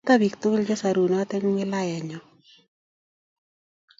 Mito biik chebo sorunot eng' wilayenyo.